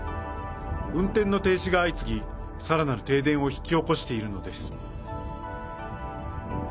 運転の停止が相次ぎさらなる停電を引き起こしているのです。